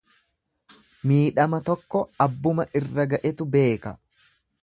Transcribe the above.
Miidhama tokko abbuma irra ga'etu beeka.